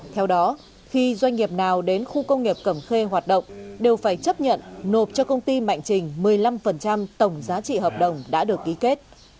theo đó khi doanh nghiệp nào đến khu công nghiệp cẩm khê hoạt động đều phải chấp nhận nộp cho công ty mạnh trình một mươi năm tổng giá trị hợp đồng đã được ký kết